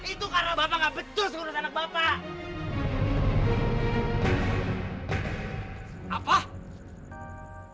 itu karena bapak gak betul segera anak bapak